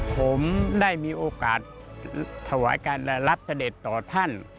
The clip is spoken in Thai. ผมได้มีโอกาสถวายการรับเสด็จต่อท่าน